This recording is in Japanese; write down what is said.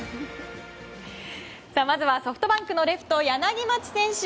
まずはソフトバンクのレフト柳町選手。